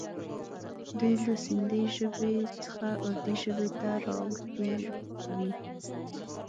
دوی له سیندي ژبې څخه اردي ژبې ته را اوښتي وي.